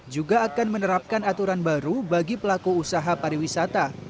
juga akan menerapkan aturan baru bagi pelaku usaha pariwisata